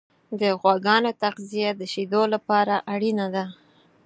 د غواګانو تغذیه د شیدو لپاره اړینه ده.